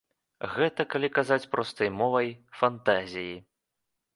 Гэта, калі казаць простай мовай, фантазіі.